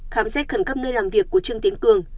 khám xét khẩn cấp nơi làm việc của trương tiến cường